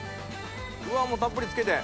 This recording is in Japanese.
うわもうたっぷりつけて。